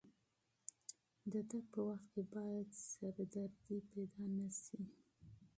د تګ په وخت کې باید سردردي پیدا نه شي.